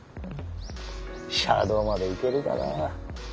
車道まで行けるかなぁ。